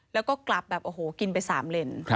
แล้วก็กลับแบบโอ้โหกินไป๓เลน